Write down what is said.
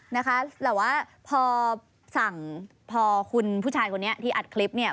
นะคะแต่ว่าพอสั่งพอคุณผู้ชายคนนี้ที่อัดคลิปเนี่ย